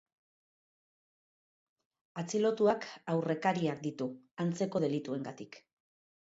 Atxilotuak aurrekariak ditu, antzeko delituengatik.